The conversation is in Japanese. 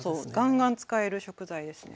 がんがん使える食材ですね。